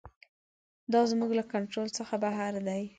دا زموږ له کنټرول څخه بهر دی.